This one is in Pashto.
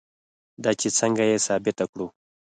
دا چې څنګه یې ثابته کړو.